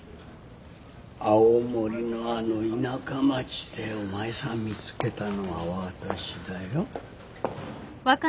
青森のあの田舎町でお前さん見つけたのは私だよ。